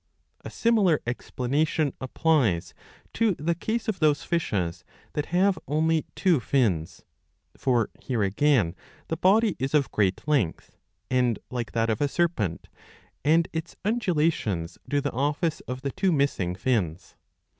^^ A similar explanation applies to the case of those fishes that have only two fins. For here again the body is of great length and like that of a serpent, and its undulations do the office of the two missing fins.